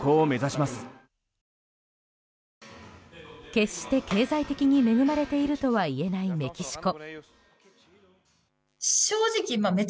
決して経済的に恵まれているとはいえないメキシコ。